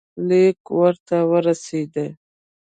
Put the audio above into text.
لیک ورته ورسېدی.